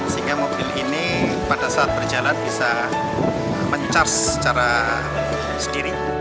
sehingga mobil ini pada saat berjalan bisa men charge secara sendiri